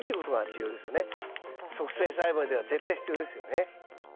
促成栽培では絶対必要ですよね。